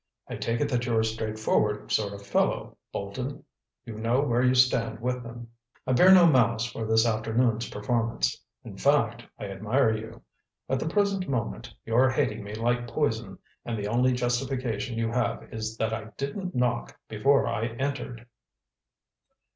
"I take it that you're a straightforward sort of fellow, Bolton. You know where you stand with them. I bear no malice for this afternoon's performance—in fact I admire you. At the present moment, you're hating me like poison, and the only justification you have is that I didn't knock before I entered!"